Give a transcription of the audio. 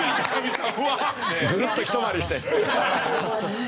グルッとひと回りして。